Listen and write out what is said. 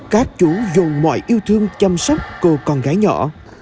các chú dồn mọi yêu thương chăm sóc cô con gái nhỏ